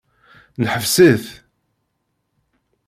Neḥbes-it.